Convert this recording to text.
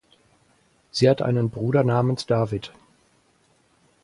Sie hat einen Bruder namens David.